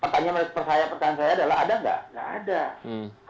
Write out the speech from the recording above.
pertanyaan saya adalah ada nggak ada